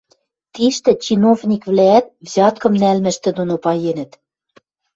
Тиштӹ чиновниквлӓӓт взяткым нӓлмӹштӹ доно паенӹт.